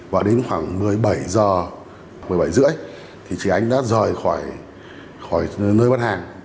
và đến khoảng một mươi bảy h một mươi bảy h ba mươi thì chị ánh đã rời khỏi nơi bán hàng